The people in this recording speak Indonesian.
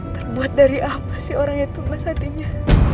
terbuat dari apa sih orang itu mas hatinya